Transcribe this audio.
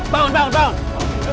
bangun bangun bangun